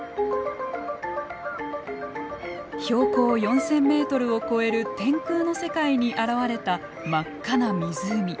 標高４，０００メートルを超える天空の世界に現れた真っ赤な湖。